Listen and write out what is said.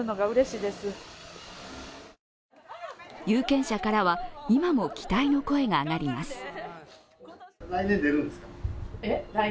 有権者からは今も期待の声が上がります。